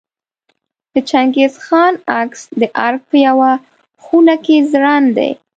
د چنګیز خان عکس د ارګ په یوه خونه کې ځوړند دی.